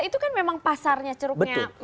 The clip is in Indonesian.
itu kan memang pasarnya ceruknya